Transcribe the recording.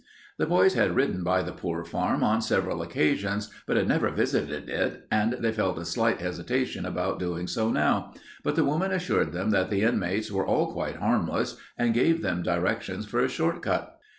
The boys had ridden by the Poor Farm on several occasions but had never visited it, and they felt a slight hesitation about doing so now, but the woman assured them that the inmates were all quite harmless and gave them directions for a short cut.